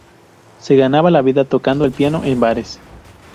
Se ganaba la vida tocando el piano en bares.